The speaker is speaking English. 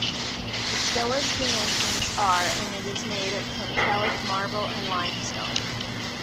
The stoa's dimensions are and it is made of Pentelic marble and limestone.